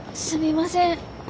すみません。